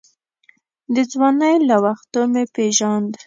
د ځوانۍ له وختو مې پېژاند.